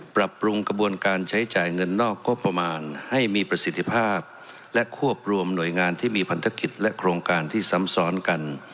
ปรับปรุงกระบวนการใช้จ่ายเงินนอกงบประมาณให้มีประสิทธิภาพและควบรวมหน่วยงานที่มีพันธกิจและโครงการที่ซ้ำซ้อนกัน